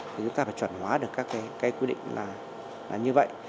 thì chúng ta phải chuẩn hóa được các cái quy định là như vậy